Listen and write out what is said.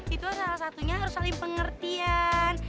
itu salah satunya harus saling pengertian